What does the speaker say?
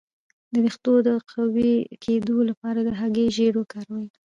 د ویښتو د قوي کیدو لپاره د هګۍ ژیړ وکاروئ